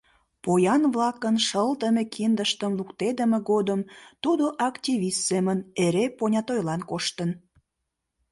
Поян-влакын шылтыме киндыштым луктедыме годым тудо активист семын эре понятойлан коштын.